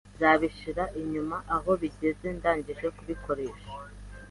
Nzabishyira inyuma aho bigeze ndangije kubikoresha